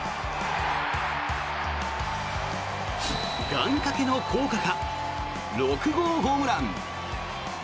願掛けの効果か６号ホームラン。